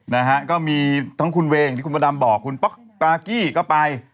นะฮะก็มีทั้งคุณเวย์อย่างที่คุณพระดำบอกคุณป๊อกปากกี้ก็ไป